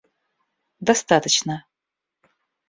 достаточно